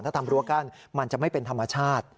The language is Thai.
ถ้าทำรั้วกั้นมันจะไม่เป็นธรรมชาติ